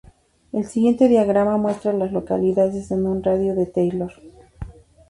El siguiente diagrama muestra a las localidades en un radio de de Taylor.